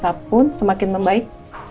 saya pun semakin membaik